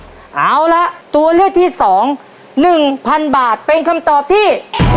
เอาละตัวเลือกที่๒๑๐๐๐บาทเป็นคำตอบที่